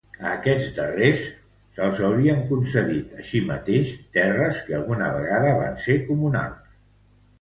A aquests darrers se'ls hauria concedit així mateix terres que alguna vegada van ser comunals.